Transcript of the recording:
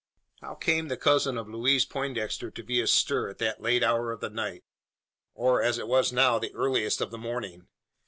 How came the cousin of Louise Poindexter to be astir at that late hour of the night, or, as it was now, the earliest of the morning?